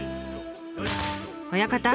親方！